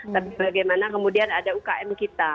tapi bagaimana kemudian ada ukm kita